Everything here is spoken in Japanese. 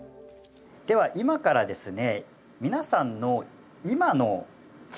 では今からですね